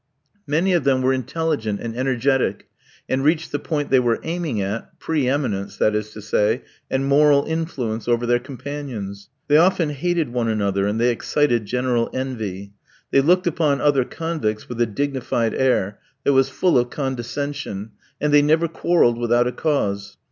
Many of them were intelligent and energetic, and reached the point they were aiming at pre eminence, that is to say, and moral influence over their companions. They often hated one another, and they excited general envy. They looked upon other convicts with a dignified air, that was full of condescension; and they never quarrelled without a cause.